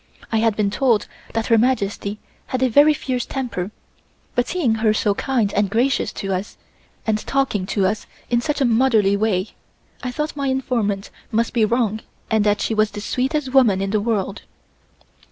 I had been told that Her Majesty had a very fierce temper, but seeing her so kind and gracious to us and talking to us in such a motherly way, I thought my informant must be wrong and that she was the sweetest woman in the world.